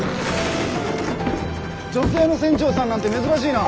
女性の船長さんなんて珍しいな。